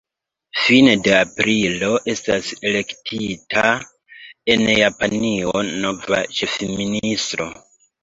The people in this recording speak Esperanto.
Fine de aprilo estis elektita en Japanio nova ĉefministro.